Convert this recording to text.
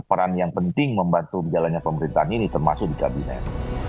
peran yang penting membantu jalannya pemerintahan ini termasuk di kabinet